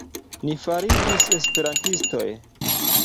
Ni fariĝis esperantistoj.